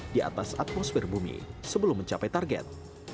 di atas atmosfer bumi sebelum mencapai target